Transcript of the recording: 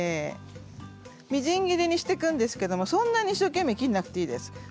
みじん切りにしていくんですけどそんなに一生懸命切らなくていいです。